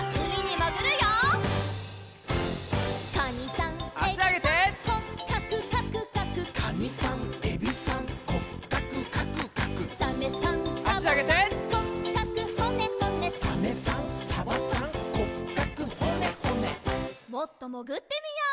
もっともぐってみよう。